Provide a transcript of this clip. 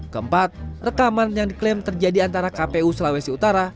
keempat rekaman yang diklaim terjadi antara kpu sulawesi utara